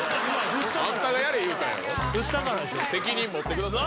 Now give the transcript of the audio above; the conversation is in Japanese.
あんたがやれ言うたんやろ言ったから責任持ってください